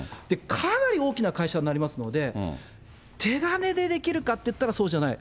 かなり大きな会社になりますので、手金でできるかっていったら、そうじゃない。